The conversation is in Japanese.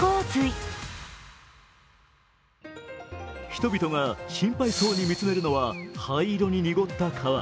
人々が心配そうに見つめるのは灰色に濁った川。